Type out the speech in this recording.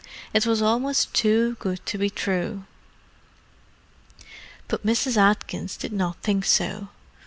It was almost too good to be true. But Mrs. Atkins did not think so.